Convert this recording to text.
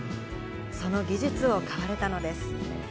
その技術を買われたのです。